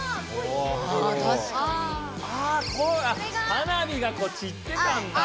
花火がこうちってたんだ。